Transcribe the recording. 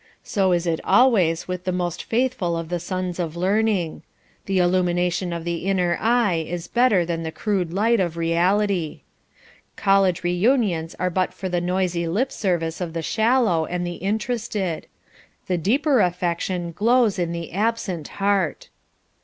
So is it always with the most faithful of the sons of learning. The illumination of the inner eye is better than the crude light of reality. College reunions are but for the noisy lip service of the shallow and the interested. The deeper affection glows in the absent heart.